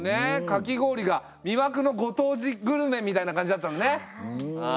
かき氷が魅惑のご当地グルメみたいな感じだったのね。